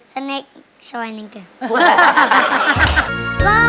สเนคช่วยหนึ่งเกิน